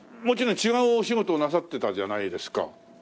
もちろん違うお仕事をなさってたじゃないですか。